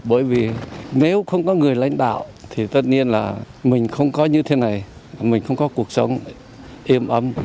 bởi vì nếu không có người lãnh đạo thì tất nhiên là mình không có như thế này mình không có cuộc sống im ấm